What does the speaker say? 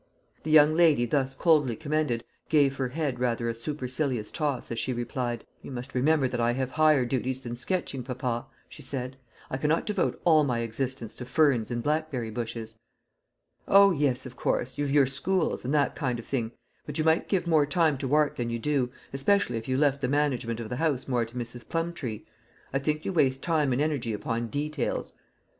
The young lady thus coldly commended gave her head rather a supercilious toss as she replied, "You must remember that I have higher duties than sketching, papa," she said; "I cannot devote all my existence to ferns and blackberry bushes." "O, yes, of course; you've your schools, and that kind of thing; but you might give more time to art than you do, especially if you left the management of the house more to Mrs. Plumptree. I think you waste time and energy upon details."